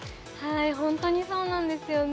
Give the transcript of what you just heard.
本当にそうなんですよね。